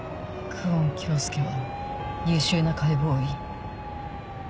久遠京介は優秀な解剖医。